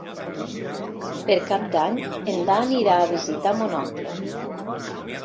Per Cap d'Any en Dan irà a visitar mon oncle.